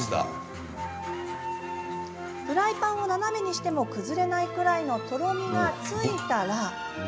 フライパンを斜めにしても崩れないくらいのとろみがついたら。